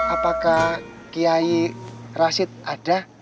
apakah kiai rasid ada